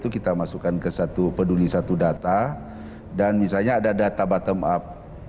kita masukkan ke satu peduli satu data dan misalnya ada data bottom up